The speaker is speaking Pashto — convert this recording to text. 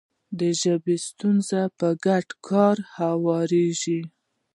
د ژبې ستونزې په ګډ کار هواریږي.